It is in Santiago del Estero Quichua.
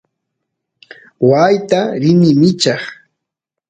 waayta rini michaqy